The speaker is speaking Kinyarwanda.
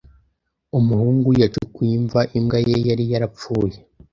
Umuhungu yacukuye imva imbwa ye yari yarapfuye.